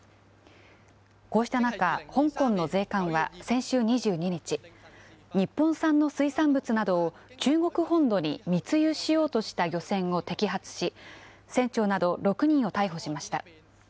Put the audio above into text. こうした中、香港の税関は先週２２日、日本産の水産物などを中国本土に密輸しようとした漁船を摘発し、船長など６人を逮捕しました。